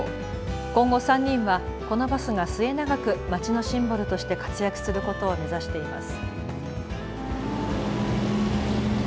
今後３人はこのバスが末永く町のシンボルとして活躍することを目指しています。